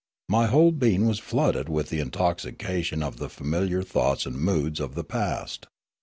My whole being was flooded with the intoxication of the familiar thoughts and moods of the past.